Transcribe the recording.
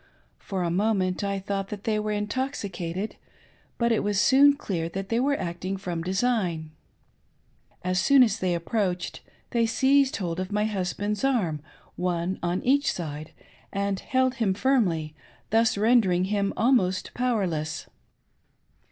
For a moment I thought, that they were intoxicated, but it was soon clear that they were acting from design. As soon as they approached, they seized hold of my husband's arms, one on each side, and held him firmly, thus rendering him almost pov/erless.